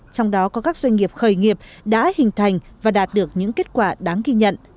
trong đó có các doanh nghiệp khởi nghiệp đã hình thành và đạt được những kết quả đáng ghi nhận